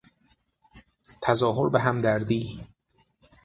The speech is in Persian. تظاهر به همدردی